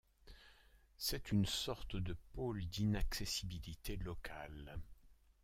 C'est une sorte de pôle d'inaccessibilité local.